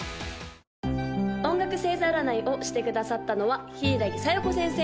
・音楽星座占いをしてくださったのは柊小夜子先生！